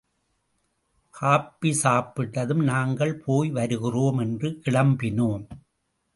Coffee சாப்பிட்டதும் நாங்கள் போய் வருகிறோம் என்று கிளம்பினோம்.